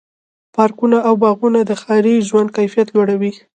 پارکونه او باغونه د ښاري ژوند کیفیت لوړوي.